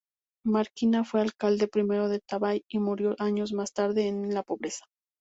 Marquina fue Alcalde Primero de Tabay y murió años más tarde en la pobreza.